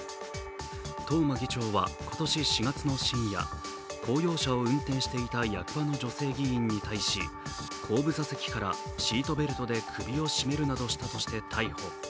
東間議長は今年４月の深夜、公用車を運転していた役場の女性議員に対し後部座席からシートベルトで首を絞めるなどして逮捕。